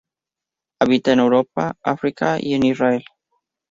Habita en Europa, África y en Israel.